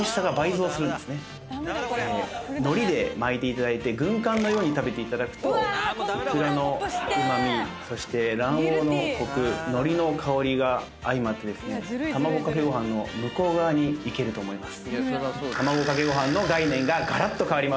海苔で巻いていただいて軍艦のように食べていただくといくらのうま味そして卵黄のコク海苔の香りが相まってたまごかけごはんの向こう側に行けると思います。